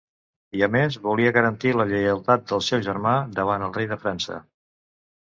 I a més volia garantir la lleialtat del seu germà davant el rei de França.